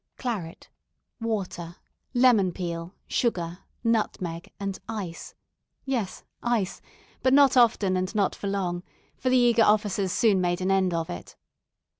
Claret, water, lemon peel, sugar, nutmeg, and ice yes, ice, but not often and not for long, for the eager officers soon made an end of it.